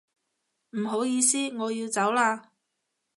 唔好意思，我要走啦